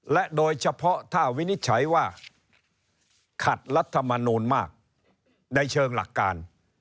และโดยเฉพาะถ้าวินิจฉัยว่าขัดรัฐมนูลมากในเชิงหลักการ